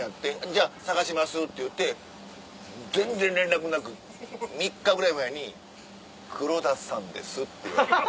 「じゃあ探します」って言うて全然連絡なく３日ぐらい前に「黒田さんです」って。